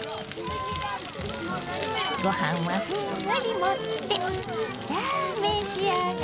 ご飯はふんわり盛ってさあ召し上がれ！